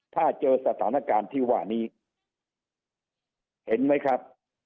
ถ้าเจอสถานการณ์ที่ว่านี้เห็นไหมครับ